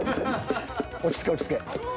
落ち着け落ち着け。